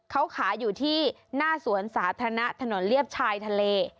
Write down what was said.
เขาขายอยู่ที่หน้าสวนสาธารณะถนนเลียบชายทะเล